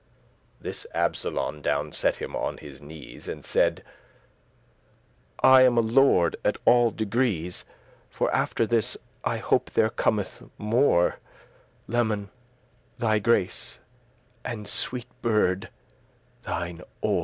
]<36> This Absolon down set him on his knees, And said; "I am a lord at all degrees: For after this I hope there cometh more; Leman, thy grace, and, sweete bird, thine ore.